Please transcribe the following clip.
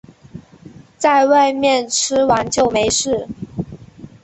在外面吃完就没事